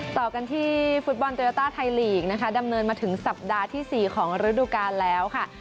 ต่อกันที่ฟุตบอลโยต้าไทยลีกนะคะดำเนินมาถึงสัปดาห์ที่๔ของฤดูกาลแล้วค่ะ